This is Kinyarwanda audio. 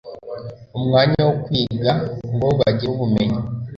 umwanya wo kwiga ngo bagire ubumenyi